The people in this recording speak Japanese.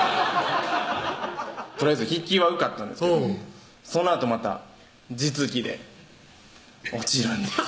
とりあえず筆記は受かったんですけどそのあとまた実技で落ちるんです